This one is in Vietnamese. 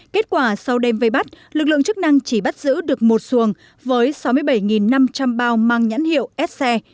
kết quả sau đêm vây bắt lực lượng chức năng chỉ bắt giữ được một xuồng với sáu mươi bảy năm trăm linh bao mang nhãn hiệu sc